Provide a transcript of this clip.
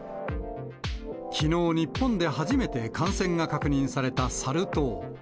きのう日本で初めて感染が確認されたサル痘。